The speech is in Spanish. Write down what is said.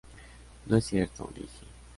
No es cierto, dije.